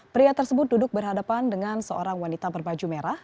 pria tersebut duduk berhadapan dengan seorang wanita berbaju merah